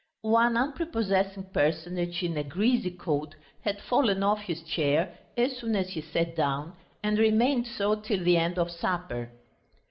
One unprepossessing personage in a greasy coat had fallen off his chair as soon as he sat down, and remained so till the end of supper.